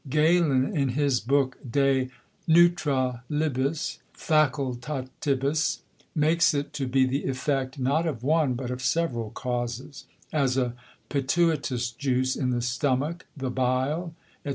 Galen, in his Book de Neutralibus Facultatibus, makes it to be the Effect, not of one, but of several Causes; as a pituitous Juice in the Stomach, the Bile, _&c.